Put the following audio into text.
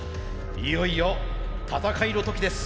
いよいよ戦いの時です。